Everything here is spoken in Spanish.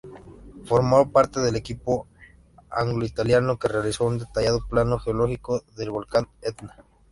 Formó parte del equipo anglo-italiano que realizó un detallado plano geológico del volcán Etna.